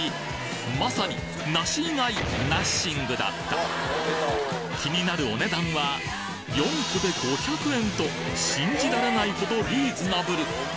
まさに梨以外ナッシングだった気になるお値段は４個で５００円と信じられないほどリーズナブル